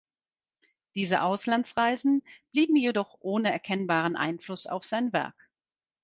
Diese Auslandsreisen blieben jedoch ohne erkennbaren Einfluss auf sein Werk.